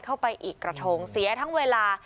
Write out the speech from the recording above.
เข้าไปอีกกระทงเสียทั้งเวลา